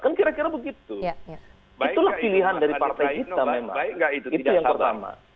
kan kira kira begitu itulah pilihan dari partai kita memang itu yang pertama